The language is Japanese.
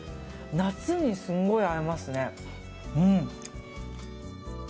夏にすごい合いますね。